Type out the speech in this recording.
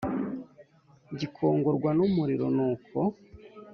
Gikongorwa n umuriro nuko